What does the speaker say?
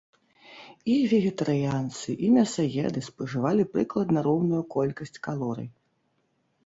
І вегетарыянцы, і мясаеды спажывалі прыкладна роўную колькасць калорый.